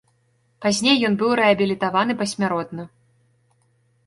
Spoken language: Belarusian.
Пазней ён быў рэабілітаваны пасмяротна.